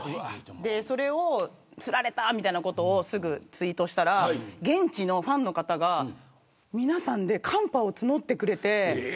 それを、すられたみたいなことをすぐツイートしたら現地のファンの方が皆さんでカンパを募ってくれて。